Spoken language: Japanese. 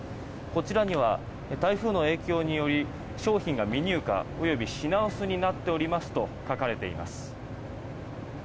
こちらには台風の影響により商品が未入荷及び品薄になっておりますと書かれています。